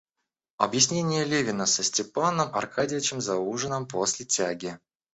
Объяснение Левина со Степаном Аркадьичем за ужином после тяги.